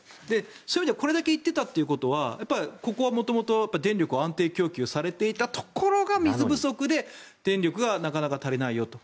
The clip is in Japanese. そういう意味ではこれだけ行っていたということはここは元々、電力は安定供給されていたところが水不足で電力がなかなか足りないよと。